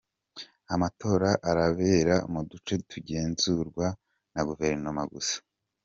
Amatora arabera mu duce tugenzurwa na guverinoma gusa.